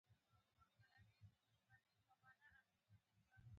کوم ځای دی؟ ما وویل.